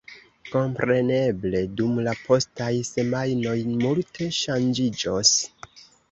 Kompreneble dum la postaj semajnoj multe ŝanĝiĝos.